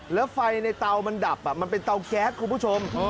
แล้วไฟในเตามันดับมันเป็นเตาแก๊สคุณผู้ชม